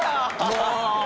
もう！